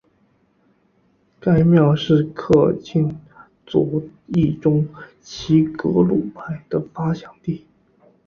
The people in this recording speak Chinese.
该庙是科尔沁左翼中旗格鲁派的发祥地。